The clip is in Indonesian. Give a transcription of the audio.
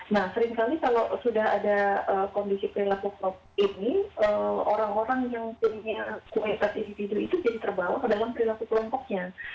nah seringkali kalau sudah ada kondisi perilaku kelompok ini orang orang yang punya kualitas individu itu jadi terbawa ke dalam perilaku kelompoknya